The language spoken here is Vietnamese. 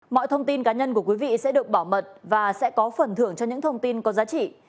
mọi thông tin cá nhân của quý vị sẽ được bảo mật và sẽ có phần thưởng cho những thông tin có giá trị